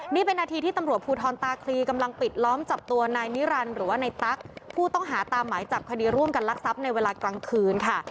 นี่เป็นนาทีที่ตำรวจภูทรตาคลีกำลังปิดล้อมจับตัวนายนิรันดิ์หรือว่าในตั๊กผู้ต้องหาตามหมายจับคดีร่วมกันลักทรัพย์ในเวลากลางคืนค่ะ